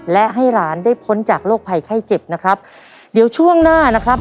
และให้หลานได้พ้นจากโรคภัยไข้เจ็บนะครับเดี๋ยวช่วงหน้านะครับ